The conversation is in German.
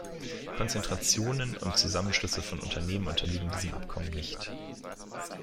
Konzentrationen und Zusammenschlüsse von Unternehmen unterliegen diesem Abkommen nicht.